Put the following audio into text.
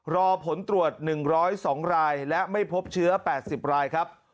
รอผลตรวจ๑๐๒รายและไม่พบเชื้อ๘๐รายครับ